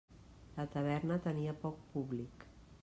La taverna tenia poc públic.